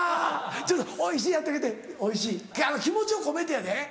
「おいしい」やってあげて「おいしい」気持ちを込めてやで。